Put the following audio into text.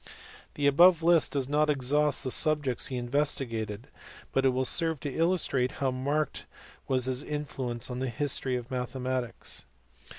The above list does not exhaust the subjects he investigated, but it will serve to illustrate how marked was his influence on the history of mathematics.